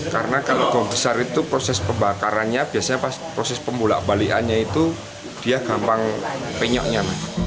karena kalau gol besar itu proses pembakarannya biasanya pas proses pemulak balikannya itu dia gampang penyoknya